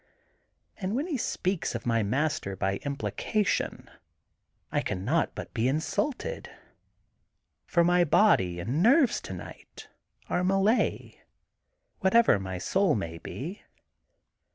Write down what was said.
And when he speaks of my master by implication, I can not but be insulted. For my body and nerves tonight are Malay, whatever my soul may be.